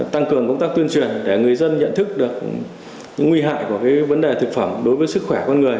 tăng cường công tác tuyên truyền để người dân nhận thức được những nguy hại của vấn đề thực phẩm đối với sức khỏe con người